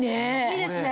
いいですね。